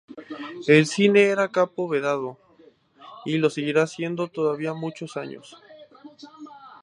El cine era campo vedado y lo seguiría siendo todavía muchos años.